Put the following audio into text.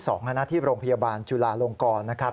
ธนาธิบย์โรงพยาบาลจุลาลงกรนะครับ